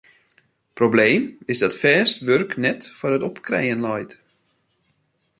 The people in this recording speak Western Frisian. Probleem is dat fêst wurk net foar it opkrijen leit.